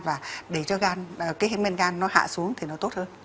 và để cho cái men gan nó hạ xuống thì nó tốt hơn